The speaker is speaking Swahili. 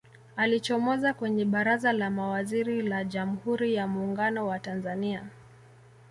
alichomoza kwenye baraza la mawaziri la jamhuri ya muungano wa tanzania